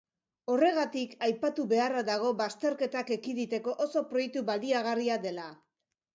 Horregatik, aipatu beharra dago bazterketak ekiditeko oso proiektu baliagarria dela.